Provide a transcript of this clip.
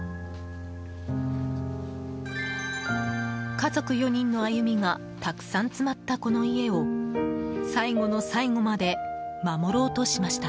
家族４人の歩みがたくさん詰まったこの家を最後の最後まで守ろうとしました。